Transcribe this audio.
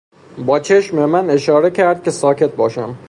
با چشم به من اشاره کرد که ساکت باشم.